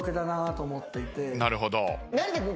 なるほど。